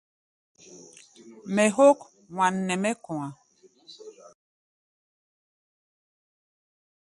Mɛ hók wan nɛ mɛ́ kɔ̧á̧.